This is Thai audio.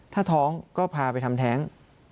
ถ้าท้องก็พาไปทำแท้ง